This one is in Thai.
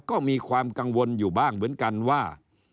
ก็มีความกังวลอยู่บ้างเหมือนกันว่า